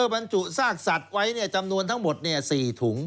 บรรจุซากสัตว์ไว้จำนวนทั้งหมด๔ถุง